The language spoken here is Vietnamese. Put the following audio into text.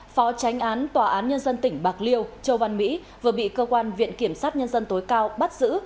phó tránh án tòa án nhân dân tỉnh bạc liêu châu văn mỹ vừa bị cơ quan viện kiểm sát nhân dân tối cao bắt giữ